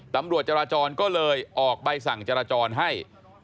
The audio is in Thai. ตำรวจจราจรก็เลยออกใบสั่งจราจรให้